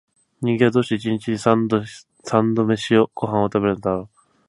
人間は、どうして一日に三度々々ごはんを食べるのだろう